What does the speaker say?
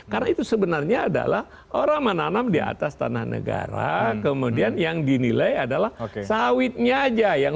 karena itu sebenarnya adalah orang menanam di atas tanah negara kemudian yang dinilai adalah sawitnya saja